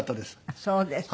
あっそうですか。